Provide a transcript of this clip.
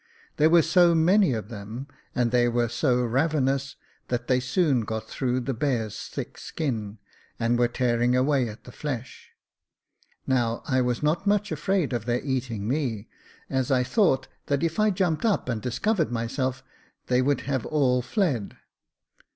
There were so many of them, and they were so ravenous, that they soon got through the bear's thick skin, and were tearing away at the flesh. Now I was not so much afraid of their eating me, as I thought that if I jumped up and discovered myself, they would have all fled.